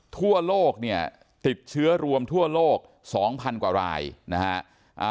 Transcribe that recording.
ทั่วโลกเนี่ยติดเชื้อรวมทั่วโลก๒๐๐กว่ารายนะฮะ